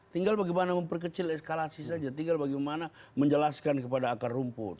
tinggal bagaimana memperkecil eskalasi saja tinggal bagaimana menjelaskan kepada akar rumput